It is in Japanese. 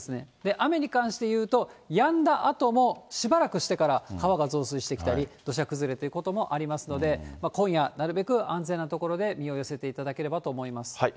雨に関して言うと、やんだあともしばらくしてから川が増水してきたり、土砂崩れということもありますので、今夜、なるべく安全な所で身を寄せていただければと思います。